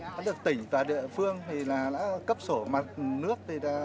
đã được tỉnh và địa phương đã cấp sổ mặt nước